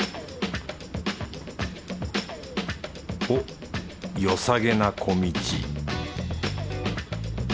おっよさげな小道